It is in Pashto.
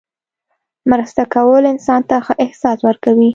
مرسته کول انسان ته ښه احساس ورکوي.